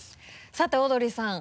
さてオードリーさん